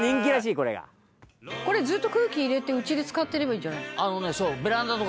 「これずっと空気入れてうちで使っていればいいんじゃないですか？」